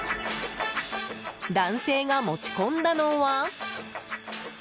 男性が持ち込んだのは。